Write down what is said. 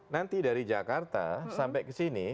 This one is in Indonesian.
nanti dari jakarta sampai ke sini